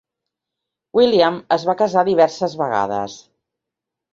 William es va casar diverses vegades.